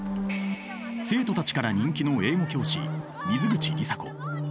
生徒たちから人気の英語教師水口里紗子。